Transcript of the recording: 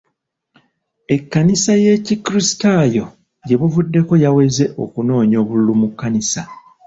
Ekkanisa y'ekrisitaayo gye buvuddeko yaweze okunoonya obululu mu kkanisa.